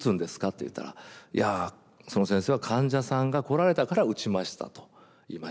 って言ったらその先生は「患者さんが来られたから打ちました」と言いました。